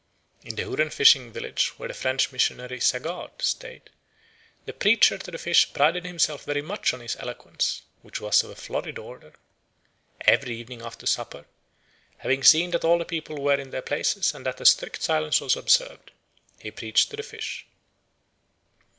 In the Huron fishing village where the French missionary Sagard stayed, the preacher to the fish prided himself very much on his eloquence, which was of a florid order. Every evening after supper, having seen that all the people were in their places and that a strict silence was observed, he preached to the fish.